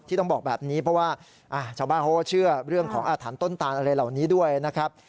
ต้องบอกแบบนี้เพราะว่าชาวบ้านเขาก็เชื่อเรื่องของอาถรรพ์ต้นตานอะไรเหล่านี้ด้วยนะครับ